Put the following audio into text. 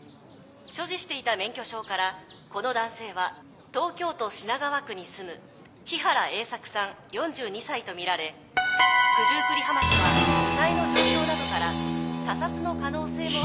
「所持していた免許証からこの男性は東京都品川区に住む日原英策さん４２歳とみられ九十九里浜署は遺体の状況などから他殺の可能性も」